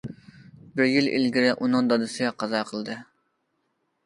بىر يىل ئىلگىرى ئۇنىڭ دادىسى قازا قىلدى.